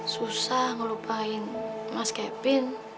susah melupakan mas kevin